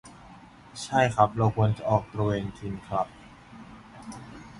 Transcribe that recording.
ใช่ครับ เราควรจะออกตระเวนกินครับ